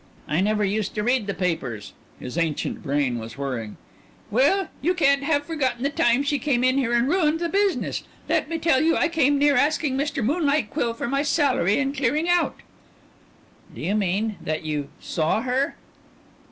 "I never used to read the papers." His ancient brain was whirring. "Well, you can't have forgotten the time she came in here and ruined the business. Let me tell you I came near asking Mr. Moonlight Quill for my salary, and clearing out." "Do you mean, that that you saw her?"